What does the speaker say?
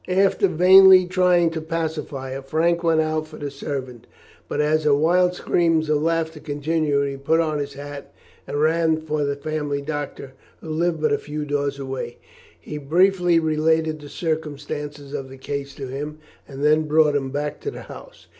After vainly trying to pacify her, Frank went out for the servant, but as her wild screams of laughter continued he put on his hat and ran for the family doctor, who lived but a few doors away. He briefly related the circumstances of the case to him, and then brought him back to the house.